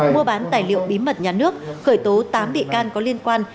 mua bán tài liệu bí mật nhà nước khởi tố tám bị can có liên quan